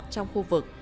trong khu vực